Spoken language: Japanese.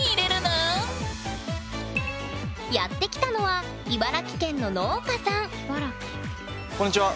やって来たのは茨城県の農家さんこんにちは。